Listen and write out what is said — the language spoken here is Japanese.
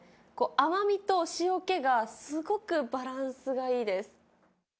甘みと塩けが、すごくバランスがいいです。